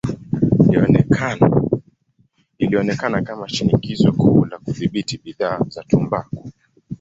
Ilionekana kama shinikizo kuu la kudhibiti bidhaa za tumbaku.